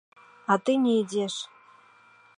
А ты не ідзеш.